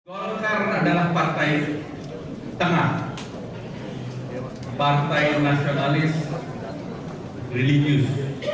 golkar adalah partai tengah partai nasionalis dan religius